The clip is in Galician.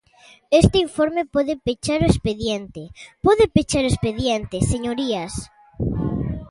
Este informe pode pechar o expediente, ¡pode pechar o expediente, señorías!